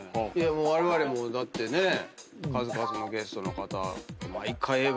われわれもだってね数々のゲストの方。